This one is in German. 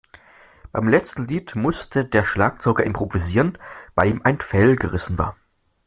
Beim letzten Lied musste der Schlagzeuger improvisieren, weil ihm ein Fell gerissen war.